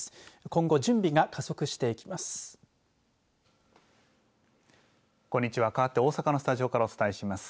今後、準備が加速していきます。